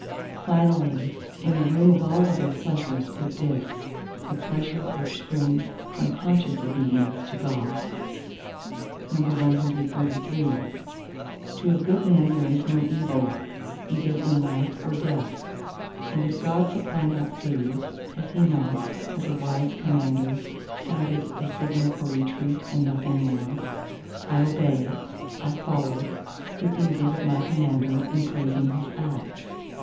Finally, in the room of all other pleasures put this—the pleasure which springs from conscious obedience to God. CXXXIV To a good man there is no evil, either in life or death. And if God supply not food, has He not, as a wise Commander, sounded the signal for retreat and nothing more? I obey, I follow—speaking good of my Commander, and praising His acts.